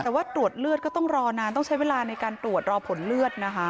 แต่ว่าตรวจเลือดก็ต้องรอนานต้องใช้เวลาในการตรวจรอผลเลือดนะคะ